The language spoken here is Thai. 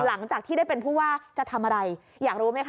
หลังจากที่ได้เป็นผู้ว่าจะทำอะไรอยากรู้ไหมคะ